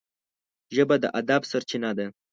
ژبه د ادب سرچینه ده